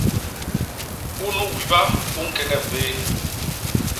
Unu wiba u ñkeñep bé.